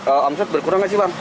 omset berkurang nggak sih pak